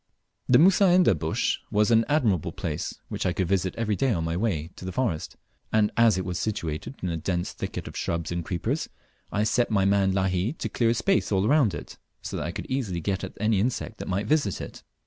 The Mussaenda bush was an admirable place, which I could visit every day on my way to the forest; and as it was situated in a dense thicket of shrubs and creepers, I set my man Lahi to clear a space all round it, so that I could easily get at any insect that might visit it.